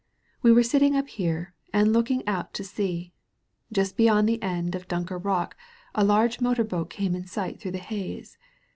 We were sitting up here and looking out to sea. Just beyond the end of Dunker Rock a large motor boat came in sight through the haze.